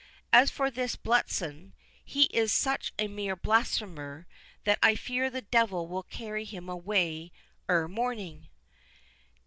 As for this Bletson, he is such a mere blasphemer, that I fear the Devil will carry him away ere morning."